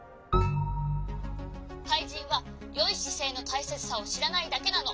かいじんはよいしせいのたいせつさをしらないだけなの」。